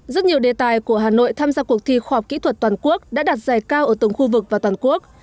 rất nhiều đề tài của hà nội tham gia cuộc thi khoa học kỹ thuật toàn quốc đã đạt giải cao ở từng khu vực và toàn quốc